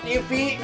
aduh tanimu kaise